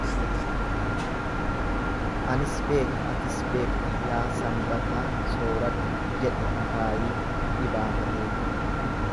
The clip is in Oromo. Anis beeka atis beektaa yaa Sanbataa sooradhu jedhe akaayii dhibaafatee.